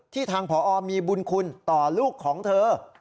ทางพอมีบุญคุณต่อลูกของเธอ